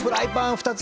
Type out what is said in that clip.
２つ。